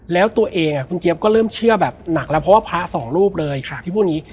แล้วตัวเองคุณเจี๊ยบก็เริ่มเชื่อแบบหนักแล้วเพราะว่าพระสองรูปเลยที่พูดอย่างนี้